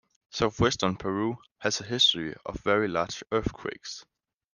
Southwestern Peru has a history of very large earthquakes.